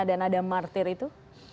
dan ada martir itu